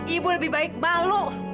ibu lebih baik malu